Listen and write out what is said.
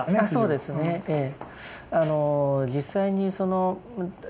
そうですねええ。